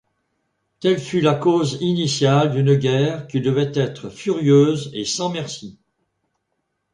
Telle fut la cause initiale d'une guerre qui devait être furieuse et sans merci.